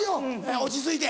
落ち着いて。